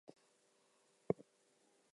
The tower seemed to rock in the wind.